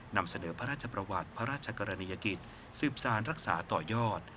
นำเสนอพระราชประวัติพระราชกรณียกิจสืบสารรักษาต่อยอด